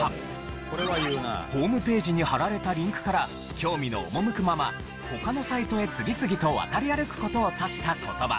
ホームページに貼られたリンクから興味の赴くまま他のサイトへ次々と渡り歩く事を指した言葉。